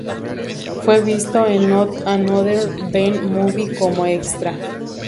Fue visto en Not Another Teen Movie como extra.